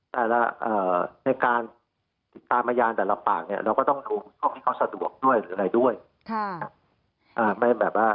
แต่ละเอ่อในการติดตามยานแต่ละปากเนี้ยเราก็ต้องดูข้อมูลเขาสะดวกด้วยหรืออะไรด้วยค่ะอ่าไม่แบบว่า